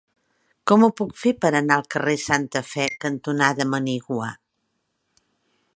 Com ho puc fer per anar al carrer Santa Fe cantonada Manigua?